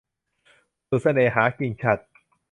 สูตรเสน่หา - กิ่งฉัตร